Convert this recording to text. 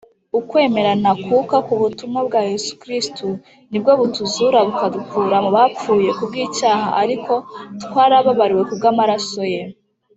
ukwemera ntakuka ku butumwa bwa Yesu Kristo nibwo butuzura bukadukura mu bapfuye kubw’icyaha ariko twarababariwe kubw’ amaraso ye.